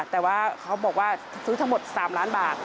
แต่ว่าเขาบอกว่าซื้อทั้งหมด๓ล้านบาท